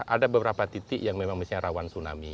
ada beberapa titik yang memang misalnya rawan tsunami